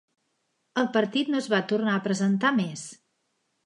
El partit no es va tornar a presentar més.